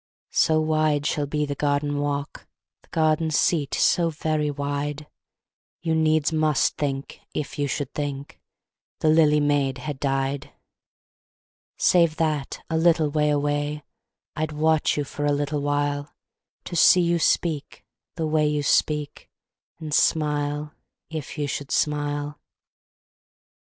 So wide shall be the garden walk, The garden seat so very wide, You needs must think if you should think The lily maid had died. Save that, a little way away, I'd watch you for a little while, To see you speak, the way you speak, And smile, if you should smile.